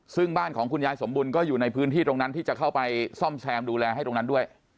ซึ่งบ้านของคุณยายสมบุญก็อยู่ในพื้นที่ตรงนั้นที่จะเข้าไปซ่อมแซมดูแลให้ตรงนั้นด้วย